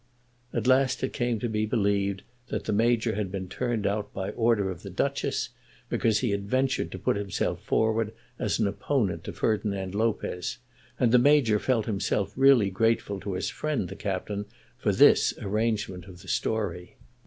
At last it came to be believed that the Major had been turned out by the order of the Duchess, because he had ventured to put himself forward as an opponent to Ferdinand Lopez, and the Major felt himself really grateful to his friend the Captain for this arrangement of the story.